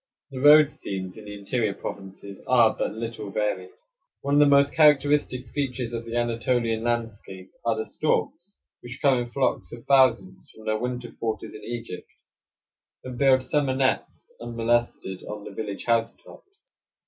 The road scenes in the interior provinces are but little varied. One of the most characteristic features of the Anatolian landscape are the storks, which come in flocks of thousands from their winter quarters in Egypt and build summer nests, unmolested, on the village housetops.